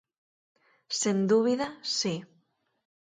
Sen dúbida, si.